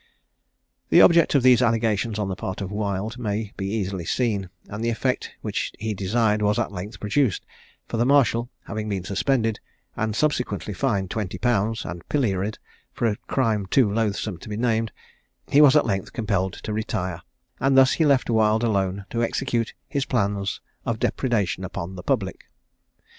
The object of these allegations on the part of Wild may be easily seen, and the effect which he desired was at length produced; for the marshal, having been suspended, and subsequently fined twenty pounds, and pilloried, for a crime too loathsome to be named, he was at length compelled to retire; and thus he left Wild alone to execute his plans of depredation upon the public.